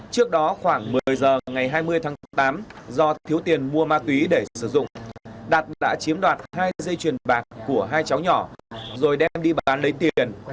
trước đó khoảng một mươi giờ ngày hai mươi tháng tám do thiếu tiền mua ma túy để sử dụng đạt đã chiếm đoạt hai dây chuyền bạc của hai cháu nhỏ rồi đem đi bán lấy tiền